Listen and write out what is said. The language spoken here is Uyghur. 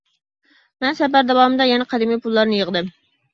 مەن سەپەر داۋامىدا يەنە قەدىمىي پۇللارنى يىغدىم.